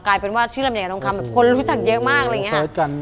กลายเป็นว่าชื่อลำใหญ่ทองคำแบบคนรู้จักเยอะมากอะไรอย่างนี้